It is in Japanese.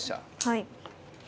はい。